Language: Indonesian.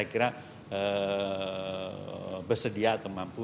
saya kira bersedia atau mampu